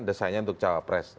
desainnya untuk capres